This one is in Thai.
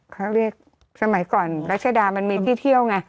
เขาเรียกสมัยก่อนรัชดามันมีที่เที่ยวไง